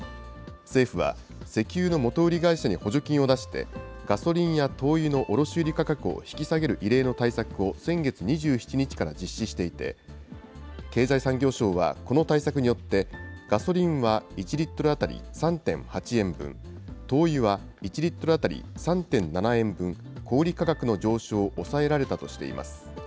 政府は、石油の元売り会社に補助金を出して、ガソリンや灯油の卸売り価格を引き下げる異例の対策を先月２７日から実施していて、経済産業省は、この対策によって、ガソリンは、１リットル当たり３．８円分、灯油は、１リットル当たり３．７円分、小売り価格の上昇を抑えられたとしています。